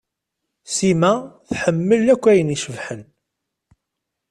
Sima tḥemmel akk ayen icebḥen.